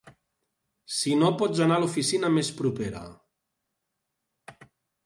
Si no pots anar a l'oficina més propera.